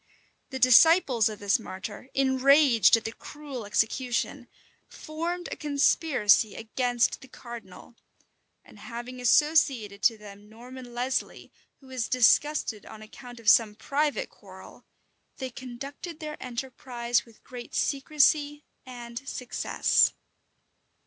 The disciples of this martyr, enraged at the cruel execution, formed a conspiracy against the cardinal; and having associated to them Norman Lesly, who was disgusted on account of some private quarrel, they conducted their enterprise with great secrecy and success.